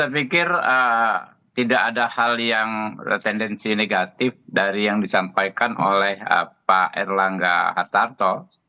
saya pikir tidak ada hal yang tendensi negatif dari yang disampaikan oleh pak erlangga hartarto